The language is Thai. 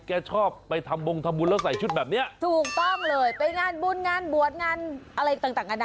แกชอบไปทำบงทำบุญแล้วใส่ชุดแบบเนี้ยถูกต้องเลยไปงานบุญงานบวชงานอะไรต่างนานา